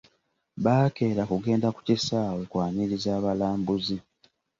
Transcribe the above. Baakera kugenda ku kisaawe kwaniriza abalambuzi.